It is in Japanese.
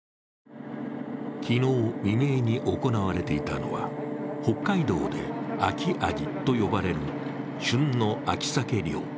昨日未明に行われていたのは、北海道で秋味と呼ばれる旬の秋鮭漁。